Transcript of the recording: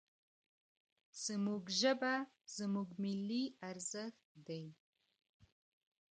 زموږ ژبه، زموږ ملي ارزښت دی.